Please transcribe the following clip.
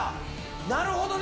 なるほどね。